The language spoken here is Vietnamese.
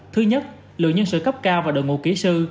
thứ nhất lượng nhân sự cấp cao và đội ngũ kỹ sư